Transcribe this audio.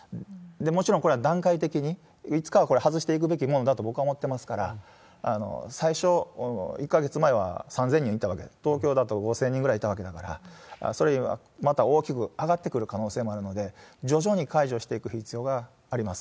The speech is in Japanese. もちろんこれは段階的にいつかはこれ、外していくべきものだと僕は思ってますから、最初、１か月前は３０００人いたわけで、東京だと５０００人ぐらいいたわけだから、それが今、また大きく上がってくる可能性もあるので、徐々に解除していく必要があります。